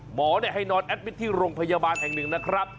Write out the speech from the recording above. หมอให้นอนแอดมิตรที่โรงพยาบาลแห่งหนึ่งนะครับ